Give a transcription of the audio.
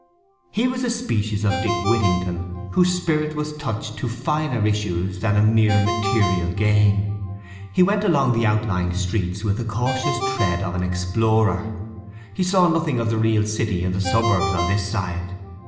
He was a species of Dick Whittington whose spirit was touched to finer issues than a mere material gain. He went along the outlying streets with the cautious tread of an explorer. He saw nothing of the real city in the suburbs on this side.